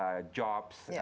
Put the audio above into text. keadaan yang tidak terima